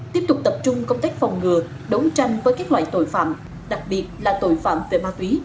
tiếp tục tập trung công tác phòng ngừa đấu tranh với các loại tội phạm đặc biệt là tội phạm về ma túy